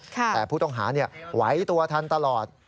แต่ผู้ต้องหาไหวตัวทันตลอด